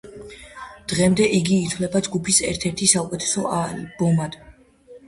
დღემდე იგი ითვლება ჯგუფის ერთ-ერთ საუკეთესო ალბომად.